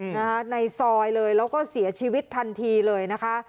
นะคะในซอยเลยแล้วก็เสียชีวิตทันทีเลยนะคะ